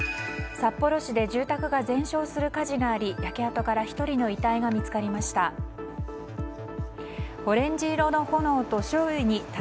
札幌市で住宅が全焼する火事があり焼け跡から１人の遺体が見つかりました。